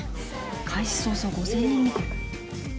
開始早々５０００人見てる。